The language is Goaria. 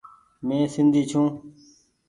مين سندي ڇون۔